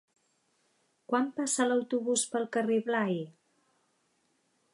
Quan passa l'autobús pel carrer Blai?